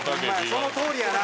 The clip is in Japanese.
そのとおりやな。